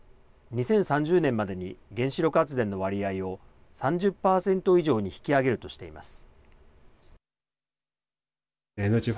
２０３０年までに原子力発電の割合を３０％以上に引き上げるとしています。